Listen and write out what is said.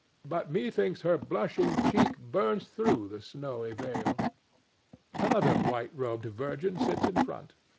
But methinks her blushing cheek burns through the snowy veil. Another white robed virgin sits in front.